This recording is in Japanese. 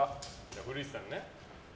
古市さんね。